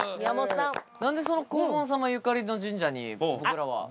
何でその黄門様ゆかりの神社に僕らは来たんでしょうか？